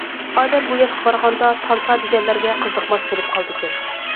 ئادەم بۇ ياشقا بارغاندا تانسا دېگەنلەرگە قىزىقماس بولۇپ قالىدىكەن.